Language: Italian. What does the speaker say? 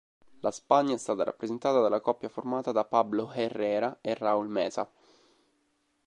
La Spagna è stata rappresentata dalla coppia formata da Pablo Herrera e Raul Mesa.